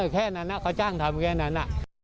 แค่นั้นเขาจ้างทำแค่นั้น